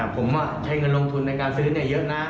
ผมอ่ะใช้เงินลงทุนในการซื้อเนี่ยเยอะนะ